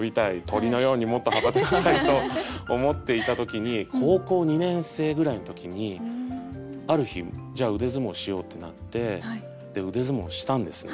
鳥のようにもっと羽ばたきたいと思っていた時に高校２年生ぐらいの時にある日「じゃあ腕相撲しよう」ってなって腕相撲したんですね。